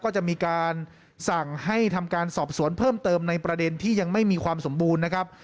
ก็จะมีการสั่งให้ทำการสอบสวนเพิ่มเติมในประเด็นที่ยังไม่มีความสมบูรณ์นะครับ